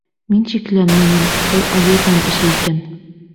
Мин шикләнмәнем — был алйырҙан эше икән.